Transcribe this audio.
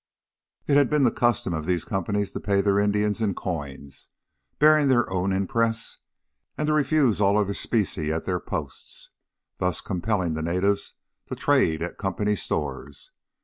It had been the custom of these companies to pay their Indians in coins bearing their own impress and to refuse all other specie at their posts, thus compelling the natives to trade at company stores.